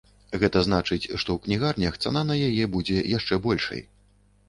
Гэта значыць, што ў кнігарнях цана на яе будзе яшчэ большай.